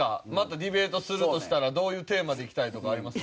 ディベートするとしたらどういうテーマでいきたいとかあります？